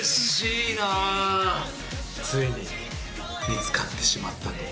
ついに見つかってしまったと。